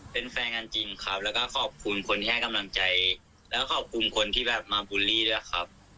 เป็นแฟนกันจริงครับแล้วก็ขอบคุณคนที่ให้กำลังใจแล้วก็ขอบคุณคนที่แบบมาบูลลี่ด้วยครับ